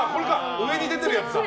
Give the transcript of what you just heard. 上に出てるやつか。